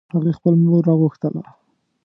هغې خپل مور راوغوښتله